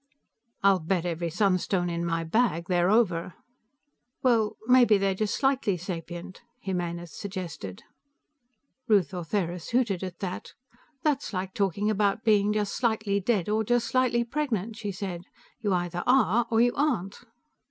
"I'll bet every sunstone in my bag they're over." "Well, maybe they're just slightly sapient," Jimenez suggested. Ruth Ortheris hooted at that. "That's like talking about being just slightly dead or just slightly pregnant," she said. "You either are or you aren't."